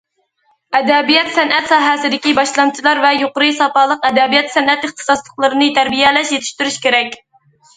ئەدەبىيات- سەنئەت ساھەسىدىكى باشلامچىلار ۋە يۇقىرى ساپالىق ئەدەبىيات- سەنئەت ئىختىساسلىقلىرىنى تەربىيەلەش، يېتىشتۈرۈش كېرەك.